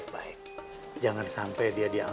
potato tentang kahar careaja